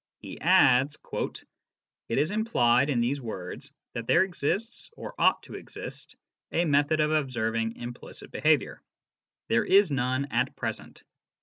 He adds: " It is implied in these words that there exists, or ought to exist, a method of observing implicit behaviour. There is none at present.